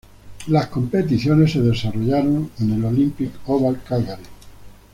Las competiciones se desarrollaron en el Olympic Oval Calgary.